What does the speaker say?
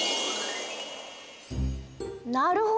なるほど！